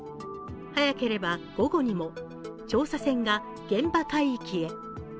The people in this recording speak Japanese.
早ければ午後にも調査船が現場海域へ。